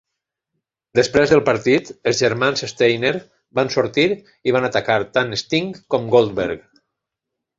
Després del partit, els germans Steiner van sortir i van atacar tant Sting com Goldberg.